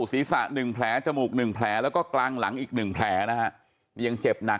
สื่อโชระธีชั้นเจ้า